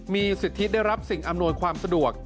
มีสิทธิได้รับสิ่งอำนวยความสะดวก